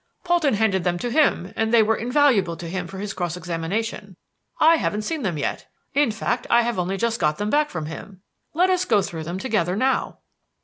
Polton handed them to him, and they were invaluable to him for his cross examination. I haven't seen them yet; in fact, I have only just got them back from him. Let us go through them together now."